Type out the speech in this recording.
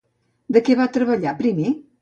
De què va treballar primer?